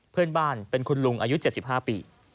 เพื่อนบ้านเป็นคุณลุงอายุ๗๕ปี